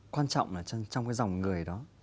quan trọng là trong cái dòng người đó